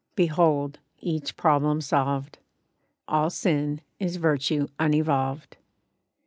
Behold each problem solved. All sin is virtue unevolved.